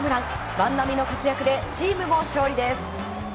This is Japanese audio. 万波の活躍でチームも勝利です。